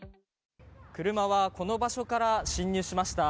車はこの場所から進入しました。